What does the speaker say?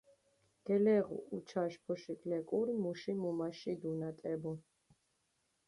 გელეღუ უჩაში ბოშიქ ლეკური მუში მუმაში დუნატებუ.